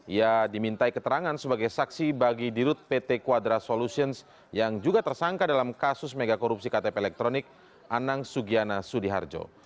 ia dimintai keterangan sebagai saksi bagi dirut pt quadra solutions yang juga tersangka dalam kasus megakorupsi ktp elektronik anang sugiana sudiharjo